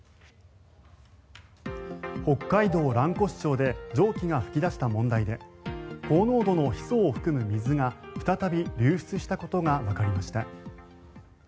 北海道蘭越町で蒸気が噴き出した問題で高濃度のヒ素を含む水が再び流出したことがわかりました。